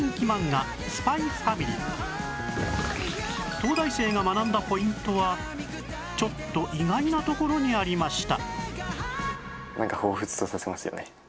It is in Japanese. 東大生が学んだポイントはちょっと意外なところにありました